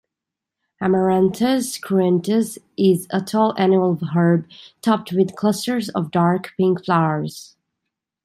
"Amaranthus cruentus" is a tall annual herb topped with clusters of dark pink flowers.